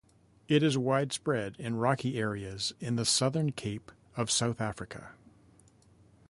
It is widespread in rocky areas in the southern Cape of South Africa.